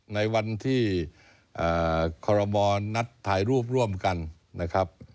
ในวันที่คอรมอลนัดถ่ายรูปร่วมกันนะครับ